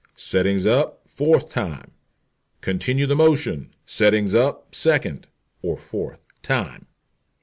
"settings up, fourth time! "Continue the motion, settings up second (or fourth) time!"